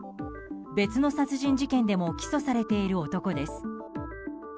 別の殺人事件でも起訴されている男です。